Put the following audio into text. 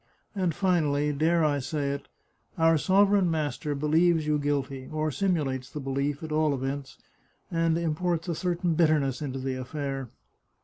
And finally — dare I say it? — our sovereign master believes you guilty, or simulates the belief, at all events, and imports a certain bitterness into the affair."